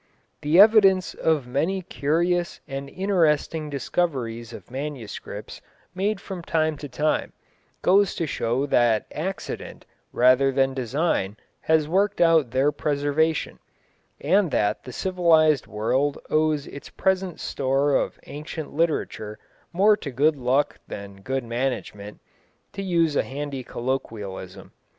The evidence of many curious and interesting discoveries of manuscripts made from time to time goes to show that accident, rather than design, has worked out their preservation, and that the civilised world owes its present store of ancient literature more to good luck than good management, to use a handy colloquialism.